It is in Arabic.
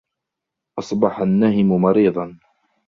أَصْبَحَ النَّهِمُ مَرِيضًا.